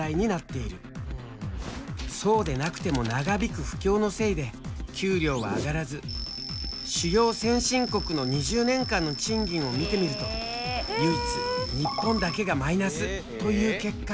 そうでなくても長引く不況のせいで給料は上がらず主要先進国の２０年間の賃金を見てみると唯一日本だけがマイナスという結果に。